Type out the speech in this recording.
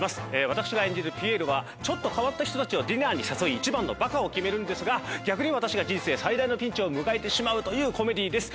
私が演じるピエールはちょっと変わった人たちをディナーに誘い一番のバカを決めるんですが逆に私が人生最大のピンチを迎えてしまうというコメディーです